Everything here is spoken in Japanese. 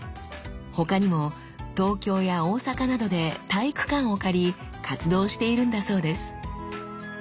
他にも東京や大阪などで体育館を借り活動しているんだそうです。